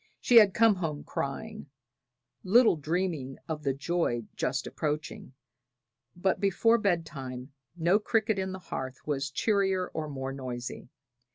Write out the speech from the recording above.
She had come home crying, little dreaming of the joy just approaching; but before bed time no cricket in the hearth was cheerier or more noisy.